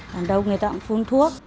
hàng đông người ta cũng phun thuốc